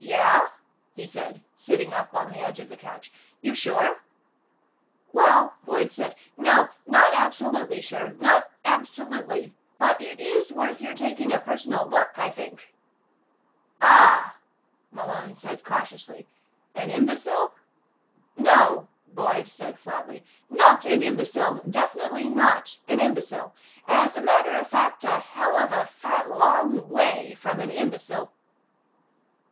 "Yeah?" he said, sitting up on the edge of the couch. "You sure?" "Well," Boyd said, "no. Not absolutely sure. Not absolutely. But it is worth your taking a personal look, I think." "Ah," Malone said cautiously. "An imbecile?" "No," Boyd said flatly. "Not an imbecile. Definitely not an imbecile. As a matter of fact, a hell of a fat long way from an imbecile."